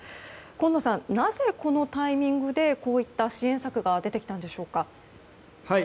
今野さん、なぜこのタイミングでこの支援策が出てきたんでしょうか？